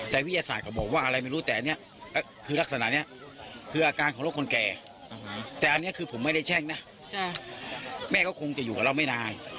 แต่อันเนี้ยคือผมไม่ได้แช่งนะแม่ก็คงจะอยู่กับเราไม่ได้